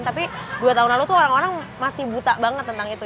tapi dua tahun lalu tuh orang orang masih buta banget tentang itu